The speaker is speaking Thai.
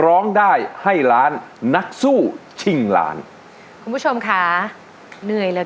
ร้องได้ให้ล้านนักสู้ชิงล้านคุณผู้ชมค่ะเหนื่อยเหลือเกิน